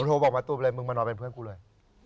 โทรบอกมะตูมเลยมึงมานอนเป็นเพื่อนกูเลย